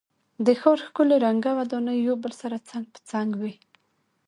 د ښار ښکلی رنګه ودانۍ یو بل سره څنګ په څنګ وې.